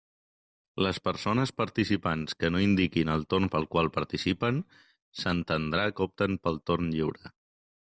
Les persones participants que no indiquin el torn pel qual participen, s'entendrà que opten pel torn lliure.